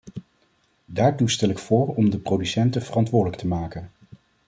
Daartoe stel ik voor om de producenten verantwoordelijk te maken.